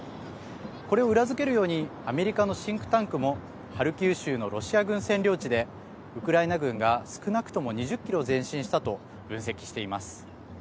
これを裏付けるようにアメリカのシンクタンクもハルキウ州のロシア軍占領地でウクライナ軍が少なくとも２０キロ前進したと分析しています。